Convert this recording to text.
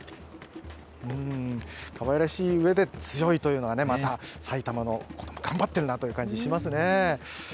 かわいらしいうえで強いというのが、また埼玉の頑張ってるなという感じしますね。